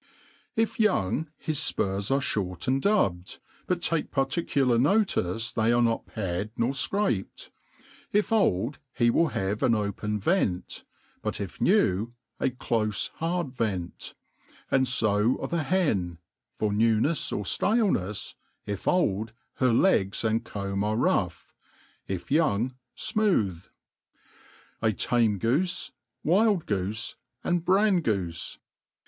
IF young, his fpurs are fbort and dubbe;d ; but takfc particu* lar notict they are not pared nor fcraped ; if old, he will have an open vent ; but if new, a clofe hard v^nt : and fo of a hen^ for newnefs or fta}enefs| if old, her legs and comb ate rough | finooth. . A Tamo Goofe^ Wild Goofi, and Bran Goofi.